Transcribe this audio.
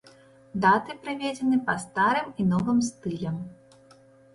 Даты прыведзены па старым і новым стылям.